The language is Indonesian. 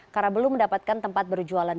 karena belum mendapatkan tempat berjualan barang